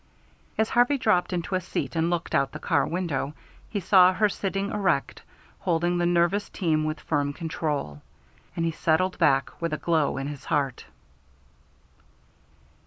As Harvey dropped into a seat and looked out the car window, he saw her sitting erect, holding the nervous team with firm control. And he settled back with a glow in his heart.